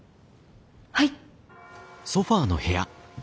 はい。